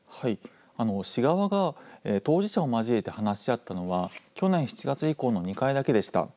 市側が当事者を交えて話し合ったのは、去年７月以降の２回だけでした。